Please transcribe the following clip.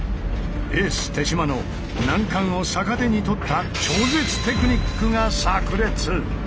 エース手嶋の難関を逆手に取った超絶テクニックがさく裂！